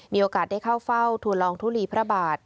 มีโอกาสได้เข้าเฝ้าทุลองทุลีพระบาท